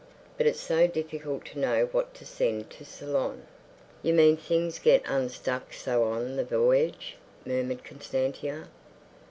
But it's so difficult to know what to send to Ceylon." "You mean things get unstuck so on the voyage," murmured Constantia.